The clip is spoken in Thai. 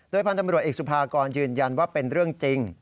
พันธุ์ตำรวจเอกสุภากรยืนยันว่าเป็นเรื่องจริง